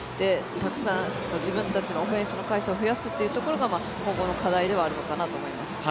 たくさん自分たちのオフェンス回数を増やすというところが今後の課題ではあるのかなと思います。